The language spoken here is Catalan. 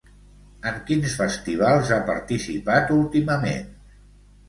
En quins festivals ha participat últimament?